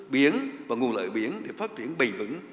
biển và nguồn lợi biển để phát triển bền vững